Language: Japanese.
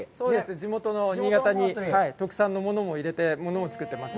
地元の新潟特産のものも入れたものを作っています。